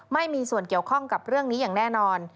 ไม่มีส่วนเกี่ยวข้องกับเรื่องนี้อย่างแน่นอน